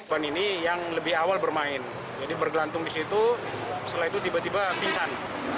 fann ini yang lebih awal bermain jadi bergelantung di situ setelah itu tiba tiba pisan